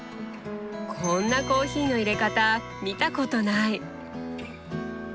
こんなコーヒーのいれ方見たことない！